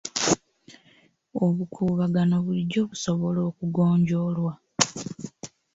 Obukuubagano bulijjo busobola okugonjoolwa.